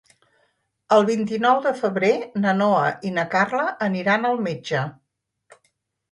El vint-i-nou de febrer na Noa i na Carla aniran al metge.